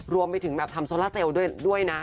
รวมไปถึงแบบทำโซล่าเซลล์ด้วยนะ